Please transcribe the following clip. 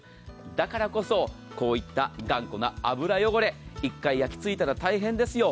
だからこそこういった頑固な油汚れ１回焼きついたら大変ですよ。